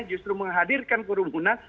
justru menghadirkan kerumunan